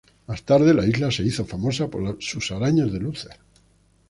Más tarde, la isla se hizo famosa por sus arañas de luces.